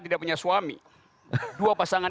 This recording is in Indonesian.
tidak punya suami dua pasangan